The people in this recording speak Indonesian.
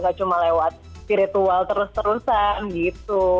gak cuma lewat spiritual terus terusan gitu